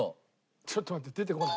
ちょっと待って出てこない。